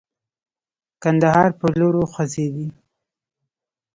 کندهار پر لور وخوځېدی.